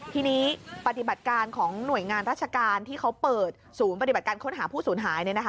ทีนี้ปฏิบัติการของหน่วยงานราชการที่เขาเปิดศูนย์ปฏิบัติการค้นหาผู้สูญหาย